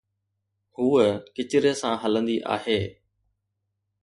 هوءَ ڪچري سان هلندي آهي.